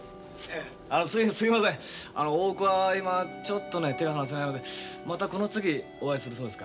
すいません大桑は今ちょっとね手が離せないのでまたこの次お会いするそうですから。